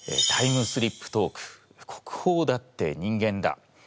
「タイムスリップトーク」「国宝だって人間だ！」